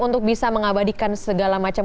untuk bisa mengabadikan segala macam